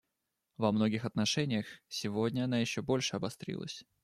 Во многих отношениях сегодня она еще больше обострилась.